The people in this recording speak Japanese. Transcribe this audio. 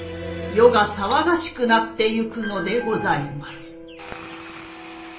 世が騒がしくなってゆくのでございます。